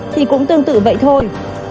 thì cũng tương tự vậy thôi